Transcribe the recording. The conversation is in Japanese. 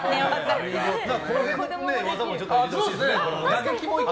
この技も入れてほしいですね。